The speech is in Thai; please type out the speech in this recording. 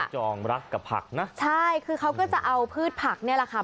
จองรักกับผักนะใช่คือเขาก็จะเอาพืชผักเนี่ยแหละค่ะ